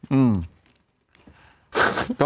อืม